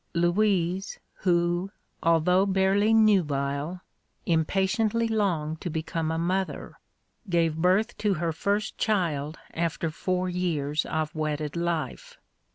Louise, who, although barely nubile, impatiently longed to become a mother, gave birth to her first child after four years of wedded life.